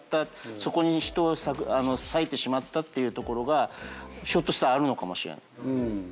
そこに人を割いてしまったっていうところがひょっとしたらあるのかもしれない。